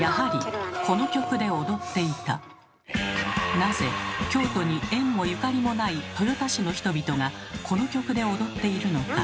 なぜ京都に縁もゆかりもない豊田市の人々がこの曲で踊っているのか。